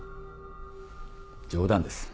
冗談です。